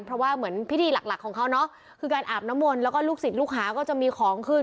เพราะว่าเหมือนพิธีหลักหลักของเขาเนอะคือการอาบน้ำมนต์แล้วก็ลูกศิษย์ลูกหาก็จะมีของขึ้น